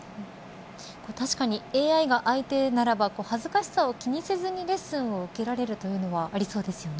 確かにＡＩが相手ならば恥ずかしさを気にせずにレッスンを受けられるというのはありそうですよね。